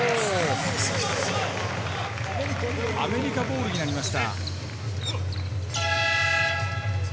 アメリカボールになりました。